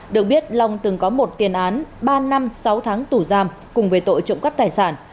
được biết long từng có một tiền án ba năm sáu tháng tù giam cùng về tội trộm cắp tài sản